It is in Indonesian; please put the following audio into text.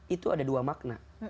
itu ada dua makna